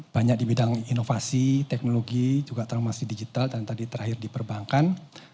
banyak di bidang inovasi teknologi juga termasuk digital dan tadi terakhir di perbankan